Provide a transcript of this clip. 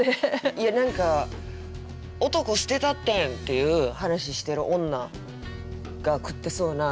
いや何か「男捨てたってん！」っていう話してる女が食ってそうな嫌みな食い物